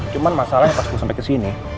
cuman masalahnya pas gue sampai kesini